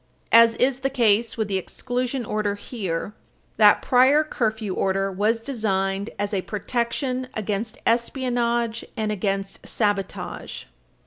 As is the case with the exclusion order here, that prior curfew order was designed as a "protection against espionage and against sabotage."